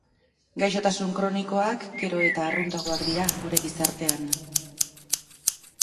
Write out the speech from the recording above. Gaixotasun kronikoak gero eta arruntagoak dira gure gizartean.